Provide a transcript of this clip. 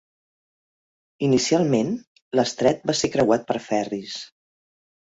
Inicialment, l'estret va ser creuat per ferris.